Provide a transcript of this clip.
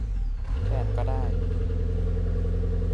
แทนก็ได้